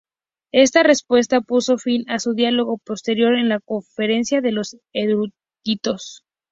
Esta respuesta puso fin a su diálogo posterior en la conferencia de los eruditos.